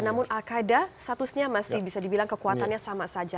namun al qaeda statusnya masih bisa dibilang kekuatannya sama saja